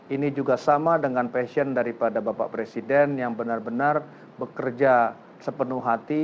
ini juga sama dengan passion daripada bapak presiden yang benar benar bekerja sepenuh hati